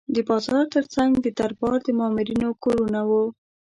د بازار ترڅنګ د دربار د مامورینو کورونه وو.